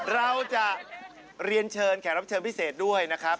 เราจะเรียนเชิญแขกรับเชิญพิเศษด้วยนะครับ